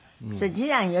次男よ